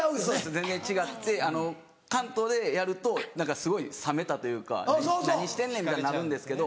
全然違って関東でやるとすごい冷めたというか何してんねんみたいになるんですけど。